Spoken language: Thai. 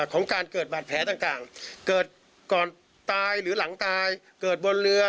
ของการเกิดบาดแผลต่างเกิดก่อนตายหรือหลังตายเกิดบนเรือ